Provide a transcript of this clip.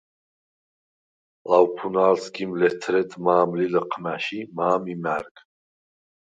ლავფუნალ სგიმ ლეთრედ მა̄მ ლი ლჷჴმა̈შ ი მა̄მ იმა̈რგ.